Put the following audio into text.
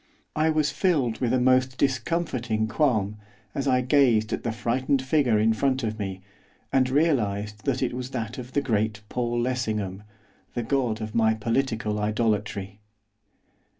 I was filled with a most discomforting qualm, as I gazed at the frightened figure in front of me, and realised that it was that of the great Paul Lessingham, the god of my political idolatry.